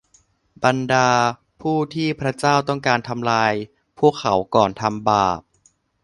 บรรดาผู้ที่พระเจ้าต้องการทำลายพวกเขาก่อนทำบาป